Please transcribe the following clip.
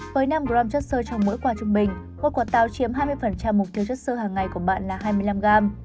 với năm g chất sơ trong mỗi quả trung bình một quả táo chiếm hai mươi mục tiêu chất sơ hàng ngày của bạn là hai mươi năm g